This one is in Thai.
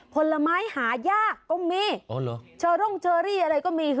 ผลไม้หายากก็มีเชอร่งเชอรี่อะไรก็มี